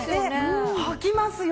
はきますよ！